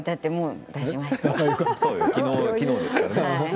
昨日ですもんね。